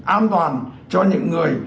an toàn cho những người